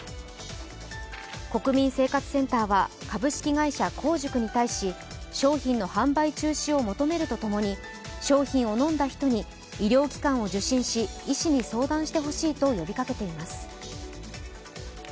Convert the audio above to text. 国民生活センターは、株式会社香塾に対し商品の販売中止を求めるとともに商品を飲んだ人に医療機関を受診し、医師に相談してほしいと呼びかけています。